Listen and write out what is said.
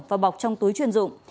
và bọc trong túi chuyên dụng